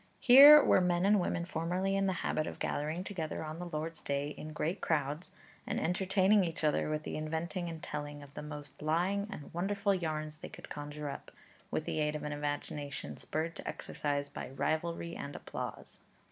Here were men and women formerly in the habit of gathering together on the Lord's day in great crowds, and entertaining each other with the inventing and telling of the most lying and wonderful yarns they could conjure up with the aid of an imagination spurred to exercise by rivalry and applause.